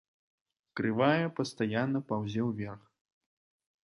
Крывая пастаянна паўзе ўверх.